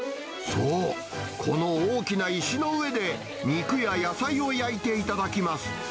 そう、この大きな石の上で、肉や野菜を焼いて頂きます。